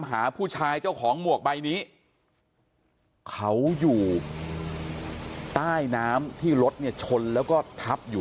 หาผู้ชายเจ้าของหมวกใบนี้เขาอยู่ใต้น้ำที่รถเนี่ยชนแล้วก็ทับอยู่